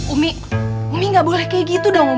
umi umi gak boleh kayak gitu dong